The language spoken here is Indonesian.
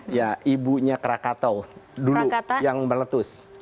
ya ibunya krakatau dulu yang meletus